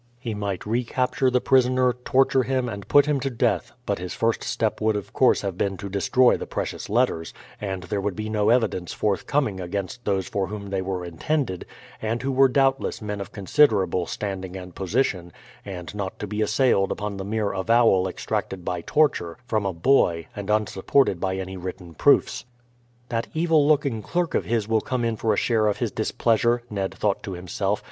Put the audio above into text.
He might recapture the prisoner, torture him, and put him to death; but his first step would of course have been to destroy the precious letters, and there would be no evidence forthcoming against those for whom they were intended, and who were doubtless men of considerable standing and position, and not to be assailed upon the mere avowal extracted by torture from a boy and unsupported by any written proofs. "That evil looking clerk of his will come in for a share of his displeasure," Ned thought to himself.